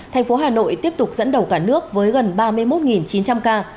thành phố hà nội tiếp tục dẫn đầu cả nước với gần ba mươi một chín trăm linh ca